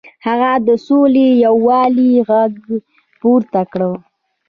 هغه د سولې او یووالي غږ پورته کړ.